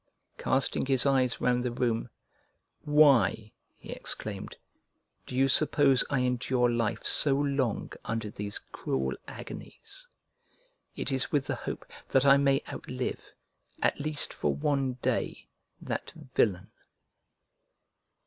Casting his eyes round the room, "Why," he exclaimed, "do you suppose I endure life so long under these cruel agonies? It is with the hope that I may outlive, at least for one day, that villain."